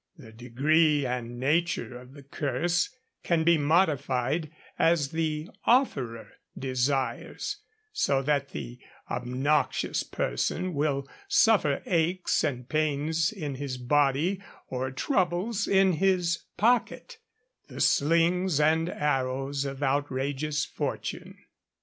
The degree and nature of the curse can be modified as the 'offerer' desires, so that the obnoxious person will suffer aches and pains in his body, or troubles in his pocket the slings and arrows of outrageous fortune.